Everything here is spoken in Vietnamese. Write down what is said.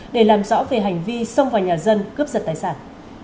để làm rõ về hành vi xông vào nhà dân cướp giật tài sản